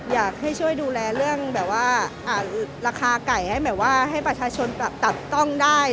อยากช่วยดูแลราคาไก่ให้ประชาชนตัดต้องได้